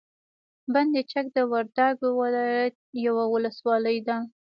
بند چک د وردګو ولایت یوه ولسوالي ده.